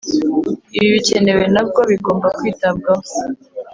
Ibi Bikenewe Nabwo Bigomba Kwitabwaho